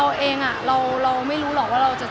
หมายถึงว่าความดังของผมแล้วทำให้เพื่อนมีผลกระทบอย่างนี้หรอค่ะ